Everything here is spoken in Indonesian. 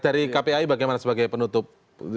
dari kpai bagaimana sebagai penutup